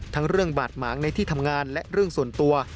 เรื่องบาดหมางในที่ทำงานและเรื่องส่วนตัว